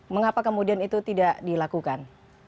mengapa kemudian itu tidak dilakukan